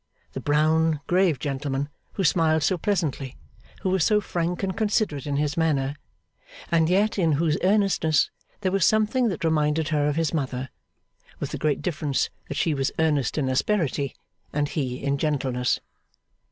The brown, grave gentleman, who smiled so pleasantly, who was so frank and considerate in his manner, and yet in whose earnestness there was something that reminded her of his mother, with the great difference that she was earnest in asperity and he in gentleness.